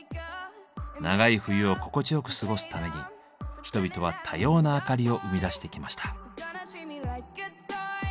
長い冬を心地よく過ごすために人々は多様な明かりを生み出してきました。